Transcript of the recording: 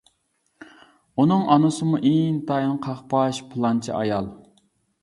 ئۇنىڭ ئانىسىمۇ ئىنتايىن قاقباش، پىلانچى ئايال.